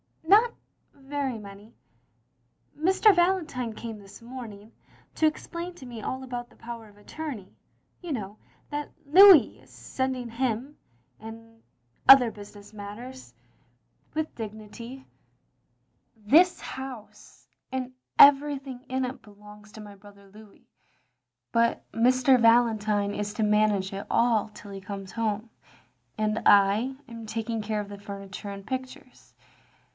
"Not very many. Mr. Valentine came this morning, to explain to me all about the power of attorney, you know, that Louis is sending him — ^and other business matters," — ^with dignity. s 114 THE LONELY LADY "This house and everything in it belongs to my brother Louis, but Mr. Valentine is to manage it all till he comes home, and I am taking care of the furniture and pictures.